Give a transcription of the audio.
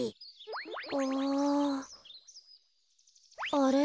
あれ？